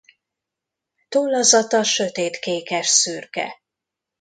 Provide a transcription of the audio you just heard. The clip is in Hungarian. Tollazata sötét kékesszürke.